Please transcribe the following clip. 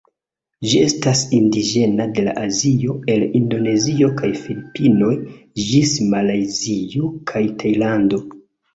Ĝi estas indiĝena de Azio, el Indonezio kaj Filipinoj ĝis Malajzio kaj Tajlando.